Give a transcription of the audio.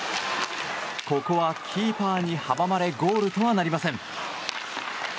ここはキーパーに阻まれゴールとはなりません。